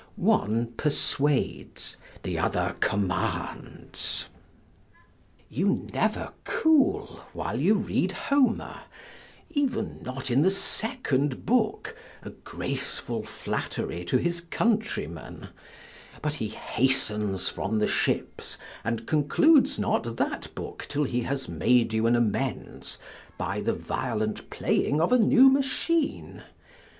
One persuades; the other commands. You never cool while you read Homer, even not in the second book (a graceful flattery to his countrymen); but he hastens from the ships, and concludes not that book till he has made you an amends by the violent playing of a new machine.